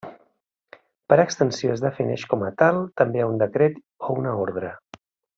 Per extensió es defineix com a tal, també a un decret o una ordre.